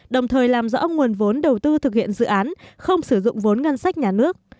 đồng thời làm rõ nguồn vốn đầu tư thực hiện dự án không sử dụng vốn ngân sách nhà nước